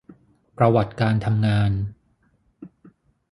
ประวัติการทำงาน